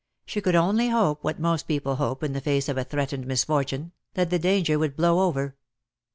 She could only hope what most people hope in the face of a threatened misfortune, that the danger would blow over.